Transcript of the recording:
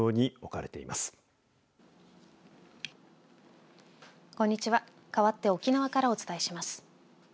かわって沖縄からお伝えします。